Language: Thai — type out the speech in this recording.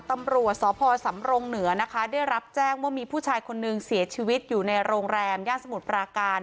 ตำรวจสพสำรงเหนือนะคะได้รับแจ้งว่ามีผู้ชายคนนึงเสียชีวิตอยู่ในโรงแรมย่านสมุทรปราการ